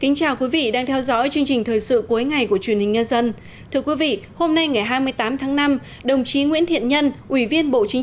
hãy đăng ký kênh để ủng hộ kênh của chúng mình nhé